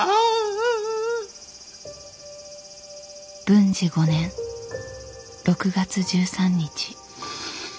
文治５年６月１３日。